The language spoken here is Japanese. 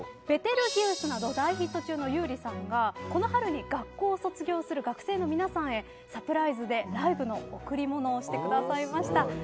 『ベテルギウス』など大ヒット中の優里さんがこの春に学校を卒業する学生の皆さんへサプライズでライブの贈り物をしてくださいました。